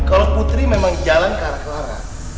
kalau putri memang jalan ke arah kelara